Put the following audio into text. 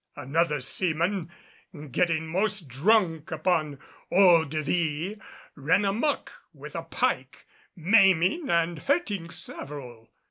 Another seaman, getting most drunk upon eau de vie ran amuck with a pike, maiming and hurting several.